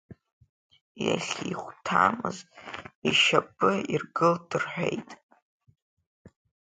Иахьихәҭамыз ишьапы иргылт рҳәеит.